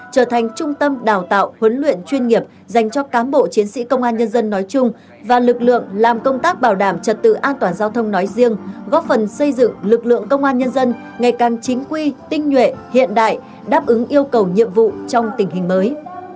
trở thành trung tâm đào tạo huấn luyện chuyên nghiệp dành cho cám bộ chiến sĩ công an nhân dân nói chung và lực lượng làm công tác bảo đảm trật tự an toàn giao thông nói riêng góp phần xây dựng lực lượng công an nhân dân ngày càng chính quy tinh nhuệ hiện đại đáp ứng yêu cầu nhiệm vụ trong tình hình mới